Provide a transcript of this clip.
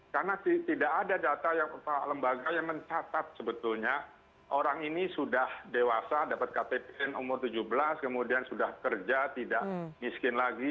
karena tidak ada data atau lembaga yang mencatat sebetulnya orang ini sudah dewasa dapat ktpn umur tujuh belas kemudian sudah kerja tidak miskin lagi